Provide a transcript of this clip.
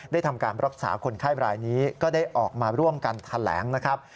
ทำการรักษาคนไข้รายนี้ก็ได้ออกมาร่วมกันแถลงนะครับ